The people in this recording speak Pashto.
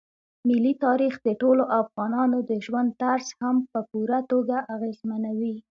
ملي تاریخ د ټولو افغانانو د ژوند طرز هم په پوره توګه اغېزمنوي.